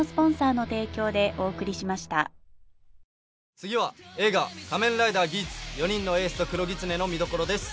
次は映画『仮面ライダーギーツ４人のエースと黒狐』の見どころです。